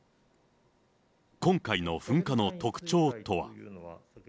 今回の噴火の特徴とは。